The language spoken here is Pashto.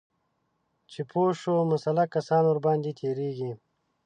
چې پوه شو مسلح کسان ورباندې تیریږي